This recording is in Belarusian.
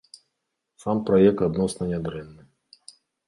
Сам праект адносна нядрэнны.